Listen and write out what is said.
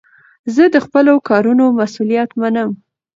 زه د خپلو کارونو مسئولیت منم.